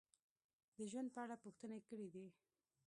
د ژوند په اړه پوښتنې کړې دي: